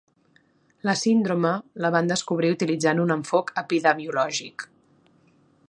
La síndrome la van descobrir utilitzant un enfoc epidemiològic.